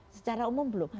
secara umum belum